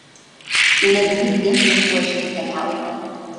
Ula d medden yuḥwaǧen tamɛawna.